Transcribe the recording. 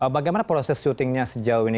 bagaimana proses syutingnya sejauh ini